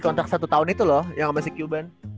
kontrak satu tahun itu loh yang sama si kilban